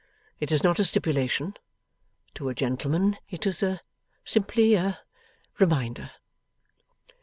It is not a stipulation; to a gentleman it is simply a reminder.